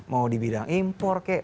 mau di bidang impor kek